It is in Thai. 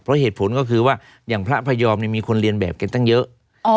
เพราะเหตุผลก็คือว่าอย่างพระพยอมมีคนเรียนแบบกันตั้งเยอะ